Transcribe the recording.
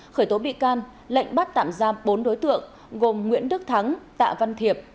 khởi tố bị can lệnh bắt tạm giam bốn đối tượng gồm nguyễn đức thắng tạ văn thiệp